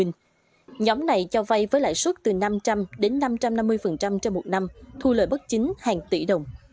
nhóm này cho vay với lãi suất từ năm trăm linh đến năm trăm năm mươi trên một năm thu lợi bất chính hàng tỷ đồng